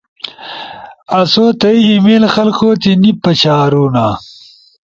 آسو تھئی ای میل خلقو تی نی پشارونا